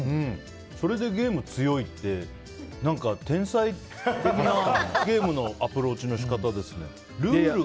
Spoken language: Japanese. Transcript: それでゲーム強いって何か天才的なゲームのアプローチのやり方ですよね。